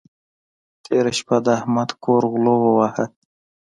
تېره شپه د احمد کور غلو وواهه.